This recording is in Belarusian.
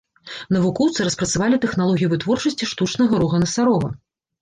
Навукоўцы распрацавалі тэхналогію вытворчасці штучнага рога насарога.